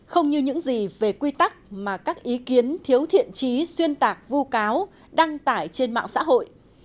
không như những gì về quy tắc mà các ý kiến thiếu thiện trí xuyên tạc vu cáo đăng tải trên mạng xã hội